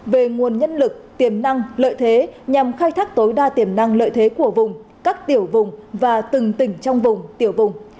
về nguồn nhân lực tiềm năng lợi thế nhằm khai thác tối đa tiềm năng lợi thế của vùng các tiểu vùng và từng tỉnh trong vùng tiểu vùng